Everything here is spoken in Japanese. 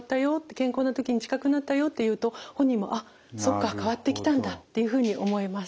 健康な時に近くなったよ」って言うと本人も「あっそっか変わってきたんだ」っていうふうに思います。